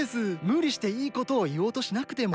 むりしていいことをいおうとしなくても。